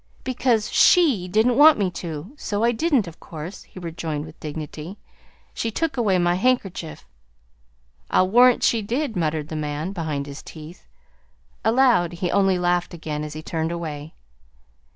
"Because SHE didn't want me to; so I didn't, of course," he rejoined with dignity. "She took away my handkerchief." "I'll warrant she did," muttered the man, behind his teeth. Aloud he only laughed again, as he turned away.